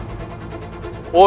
atau yang paling mudah